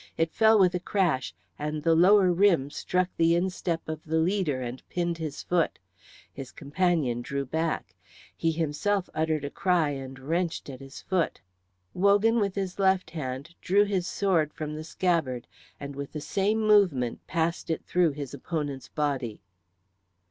It fell with a crash, and the lower rim struck upon the instep of the leader and pinned his foot. His companion drew back; he himself uttered a cry and wrenched at his foot. Wogan with his left hand drew his sword from the scabbard, and with the same movement passed it through his opponent's body.